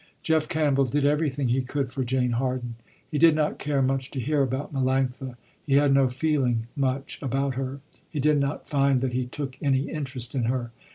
Jeff Campbell did everything he could for Jane Harden. He did not care much to hear about Melanctha. He had no feeling, much, about her. He did not find that he took any interest in her.